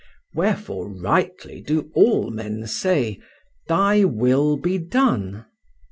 Wherefore rightly do all men say: "Thy will be done."